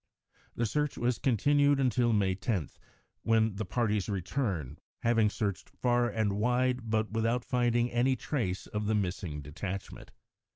The search was continued until May 10, when the parties returned, having searched far and wide but without finding any trace of the missing detachment.